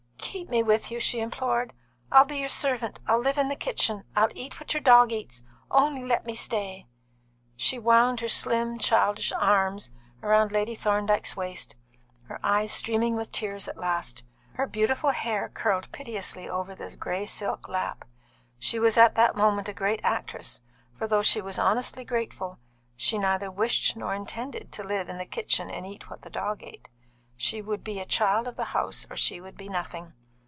"Keep me with you!" she implored. "I'll be your servant. I'll live in the kitchen. I'll eat what your dog eats. Only let me stay." She wound her slim, childish arms round Lady Thorndyke's waist, her eyes streamed with tears at last; her beautiful hair curled piteously over the grey silk lap. She was at that moment a great actress, for though she was honestly grateful, she neither wished nor intended to live in the kitchen and eat what the dog ate. She would be a child of the house or she would be nothing.